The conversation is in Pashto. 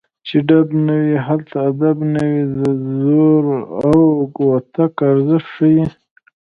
چې ډب نه وي هلته ادب نه وي د زور او کوتک ارزښت ښيي